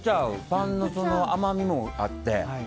パンの甘みもあって。